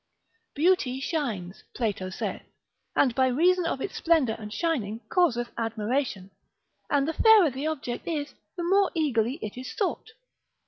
Beauty shines, Plato saith, and by reason of its splendour and shining causeth admiration; and the fairer the object is, the more eagerly it is sought.